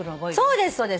そうですそうです。